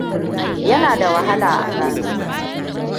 Yana da wahala a gano.